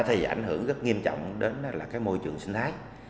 thì ảnh hưởng rất nghiêm trọng đến môi trường sinh thái